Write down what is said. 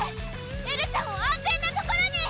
エルちゃんを安全な所に！